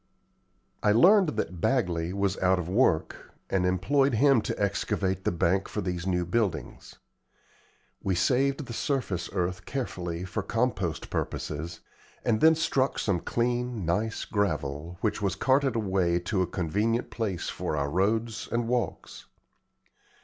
I learned that Bagley was out of work, and employed him to excavate the bank for these new buildings. We saved the surface earth carefully for compost purposes, and then struck some clean, nice gravel, which was carted away to a convenient place for our roads and walks.